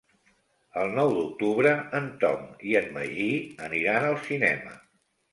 El nou d'octubre en Tom i en Magí aniran al cinema.